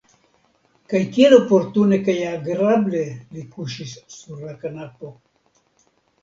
Kaj kiel oportune kaj agrable li kuŝis sur la kanapo!